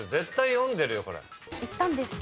行ったんですよね。